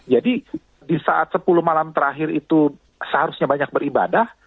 jadi di saat sepuluh malam terakhir itu seharusnya banyak beribadah